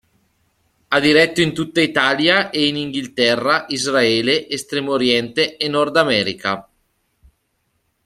Ha diretto in tutta Italia e in Inghilterra, Israele, Estremo Oriente e Nord America.